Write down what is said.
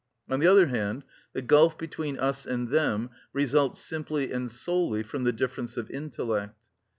On the other hand, the gulf between us and them results simply and solely from the difference of intellect.